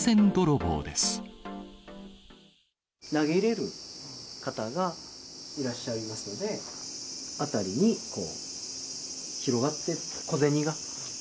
投げ入れる方がいらっしゃいますので、辺りにこう、広がってる、小銭が。